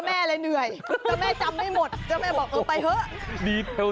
แม่เลยเหนื่อยเจ้าแม่จำไม่หมดเจ้าแม่บอกเออไปเถอะ